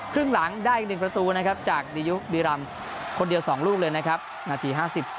ครึ่งหลังได้อีก๑ประตูนะครับจากดียุบีรำคนเดียว๒ลูกเลยนะครับนาที๕๗